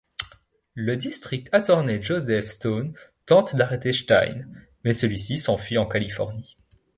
Le district attorney Joseph Stone tente d'arrêter Stein mais celui-ci s'enfuit en Californie.